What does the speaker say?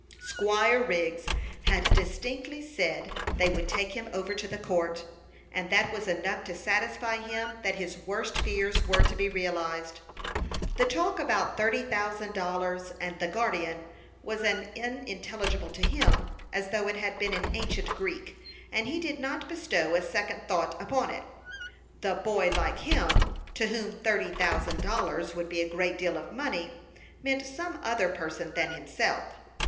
Squire Wriggs had distinctly said they would take him over to the court, and that was enough to satisfy him that his worst fears were to be realized. The talk about thirty thousand dollars, and the guardian, was as unintelligible to him as though it had been in ancient Greek, and he did not bestow a second thought upon it. The "boy like him," to whom thirty thousand dollars would be a great deal of money, meant some other person than himself.